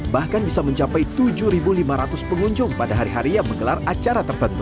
bahkan bisa mencapai tujuh lima ratus pengunjung pada hari hari yang menggelar acara tertentu